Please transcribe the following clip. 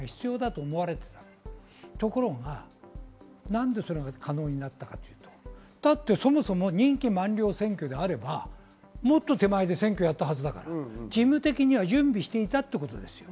ところがなぜそれが可能になったかというと、そもそも任期満了選挙であれば、もっと手前で選挙をやったはずだから事務的には準備していたということです。